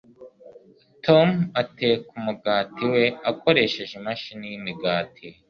Tom ateka umugati we akoresheje imashini yimigati.